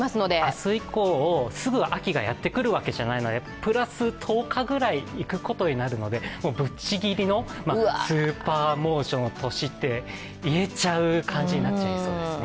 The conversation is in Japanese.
明日以降すぐ秋がやってくるわけじゃないのでプラス１０日くらいいくことになるのでぶっちぎりのスーパー猛暑の年って言えちゃう感じになっちゃいそうですね。